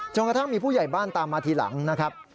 กระทั่งมีผู้ใหญ่บ้านตามมาทีหลังนะครับ